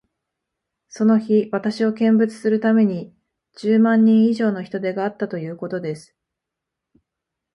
その日、私を見物するために、十万人以上の人出があったということです。